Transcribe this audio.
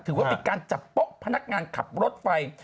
ถือว่าเป็นการจับโป๊ะพนักงานขับรถไฟ